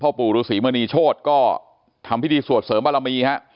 พ่อปู่รุศรีมณีโชทก็ทำพิธีสวดเสริมบรรมี